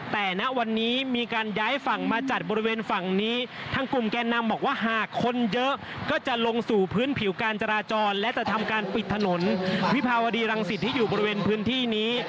แต่ณวันนี้มีการย้ายฝั่งมาจัดบริเวณฝั่งนี้ทางกลุ่มแกนนำบอกว่าหากคนเยอะก็จะลงสู่พื้นผิวการจราจรและจะทำการปิดถนนวิภาวดีรังสิตที่อยู่บริเวณพื้นที่นี้